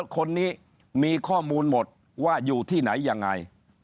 คนนี้มีข้อมูลหมดว่าอยู่ที่ไหนยังไง